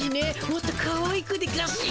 もっとかわいくでガシ。